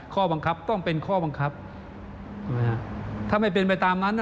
ข้อบังคับต้องเป็นข้อบังคับถ้าไม่เป็นไปตามนั้น